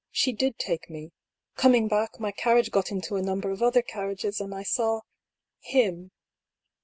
She did take me. Coming back, my carriage got into a number of other carriages, and I saw — Am."